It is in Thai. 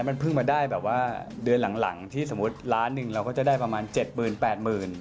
มันเพิ่งมาได้แบบว่าเดือนหลังที่สมมุติล้านหนึ่งเราก็จะได้ประมาณ๗๘๐๐๐บาท